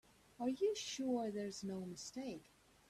Are you sure there's no mistake?